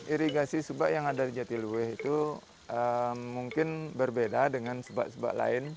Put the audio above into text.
irigasi subak yang ada di jatiluwe itu mungkin berbeda dengan subak subak lain